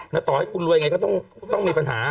แล้วต่อให้คุณรวยไงก็ต้องมีปัญหา